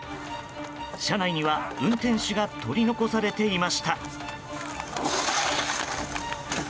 車内には運転手が取り残されていました。